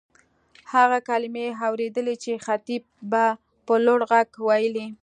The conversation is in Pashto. هغه کلیمې اورېدلې چې خطیب به په لوړ غږ وېلې.